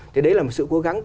thì đấy là một sự cố gắng